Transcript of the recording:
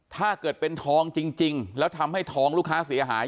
ถ้าเกิดเป็นทองจริงแล้วทำให้ทองลูกค้าเสียหาย